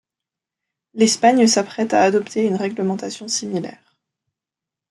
L'Espagne s'apprête à adopter une règlementation similaire.